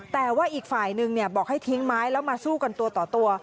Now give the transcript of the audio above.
แต่ว่าอีกฝ่ายนึงบอกให้ทิ้งไม้แล้วมาสู้กันตัวต่อตัว